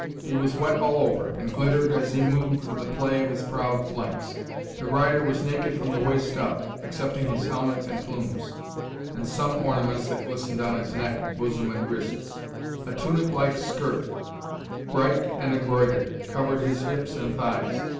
He was wet all over, and glittered as he moved with the play of his proud flanks. The rider was naked from the waist up, excepting his helmet and plumes, and some ornaments that glistened on his neck, bosom and wrists. A tunic like skirt, bright and embroidered, covered his hips and thighs.